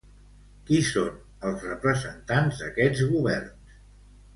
Qui són els representants d'aquests governs?